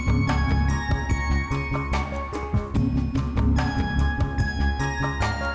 aduh maju selalu langsung iniciasi gerakan